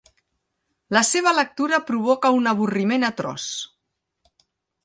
La seva lectura provoca un avorriment atroç.